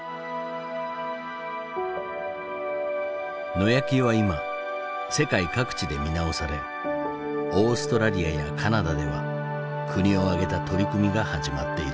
野焼きは今世界各地で見直されオーストラリアやカナダでは国を挙げた取り組みが始まっている。